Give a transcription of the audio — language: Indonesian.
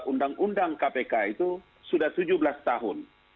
undang undang kpk itu sudah tujuh belas tahun